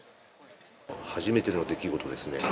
初めての出来事ですね。